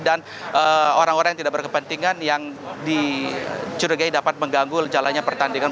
dan orang orang yang tidak berkepentingan yang dicurigai dapat mengganggu jalannya pertandingan